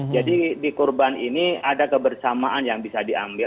jadi di kurban ini ada kebersamaan yang bisa diambil